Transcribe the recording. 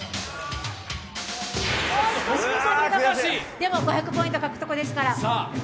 でも５００ポイント獲得ですから。